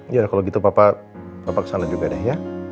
ya kalau gitu papa kesalahan juga deh ya